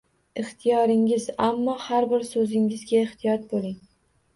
Ixtiyoringiz, ammo har bir so’zingizga ehtiyot bo’ling.